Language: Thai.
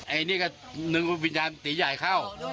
ไอ้นี่ก็นึกว่าวิญญาณตีใหญ่เข้า